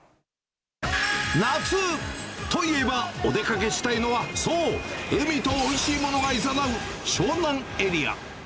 夏！といえばお出かけしたいのは、そう、海とおいしいものがいざなう湘南エリア。